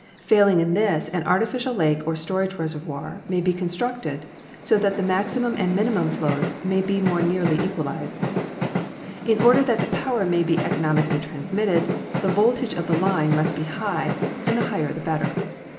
Fail ing in this, an artificial lake or "storage resorvoir may be constructed so that the maximum and minimum flows may be more nearly equalized. In order that the power may be economically transmitted, the voltage of the line must be high, and the higher the better.